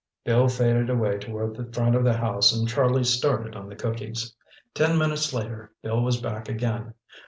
Bill faded away toward the front of the house and Charlie started on the cookies. Ten minutes later, Bill was back again.